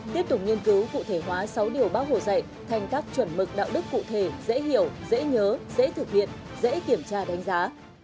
tiếp tục nghiên cứu cụ thể hóa sáu điều bác hồ dạy thành các chuẩn mực đạo đức cụ thể dễ hiểu dễ nhớ dễ thực hiện dễ kiểm tra đánh giá